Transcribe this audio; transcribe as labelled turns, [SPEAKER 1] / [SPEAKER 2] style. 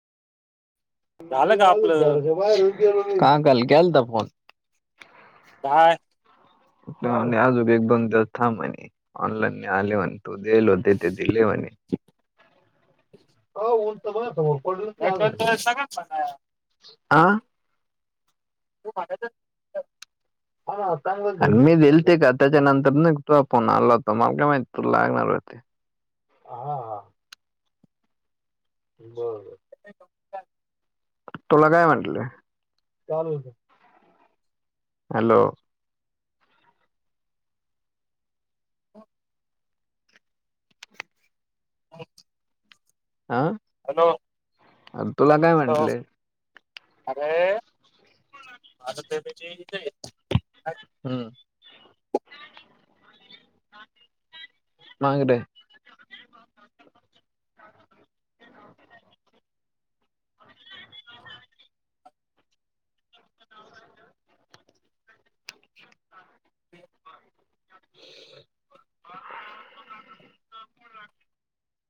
[SPEAKER 1] झालं का आपलं
[SPEAKER 2] काकाला केलता फोन.
[SPEAKER 1] काय?
[SPEAKER 2] आणि अजूब एक दोन दिवस, थांब म्हणे ऑनलाईन आले म्हणे. तू देल होते. ते दिले म्हणे.
[SPEAKER 1] सगळं.
[SPEAKER 2] आ [inaudible]
[SPEAKER 1] तू माग तर
[SPEAKER 2] मीे दिलते का त्याच्या नंतरन, तुझा फोन आला होता. मला काय माहित तुला लागणार आहेत. हां हां. बरं.
[SPEAKER 1] [unintelligible]
[SPEAKER 2] तुला काय म्हटले? हॅलो.
[SPEAKER 1] हो. [inaudible]
[SPEAKER 2] आह.
[SPEAKER 1] हॅलो.
[SPEAKER 2] अन् तुला काय
[SPEAKER 1] हॅलो
[SPEAKER 2] म्हटले?
[SPEAKER 1] अरे आता त्या [unintelligible]
[SPEAKER 2] हम्म. माकड. [inaudible] [inaudible] [inaudible] [inaudible]